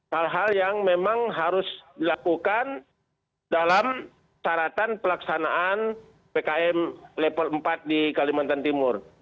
hal hal yang memang harus dilakukan dalam syaratan pelaksanaan pkm level empat di kalimantan timur